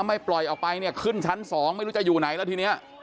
ไม่ปล่อยออกไปเนี่ยขึ้นชั้นสองไม่รู้จะอยู่ไหนแล้วทีนี้